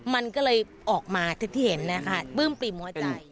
มันก็เลยออกมาที่เห็นนะคะปลื้มปริ่มหัวใจ